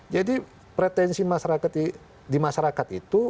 jadi pretensi masyarakat di masyarakat itu